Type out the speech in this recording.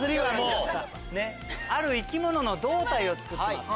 ある生き物の胴体を作ってます。